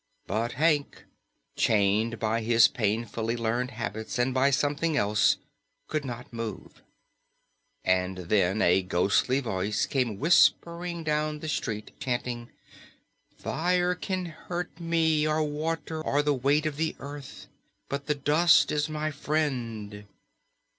But Hank, chained by his painfully learned habits and by something else, could not move. And then a ghostly voice came whispering down the street, chanting, "Fire can hurt me, or water, or the weight of Earth. But the dust is my friend."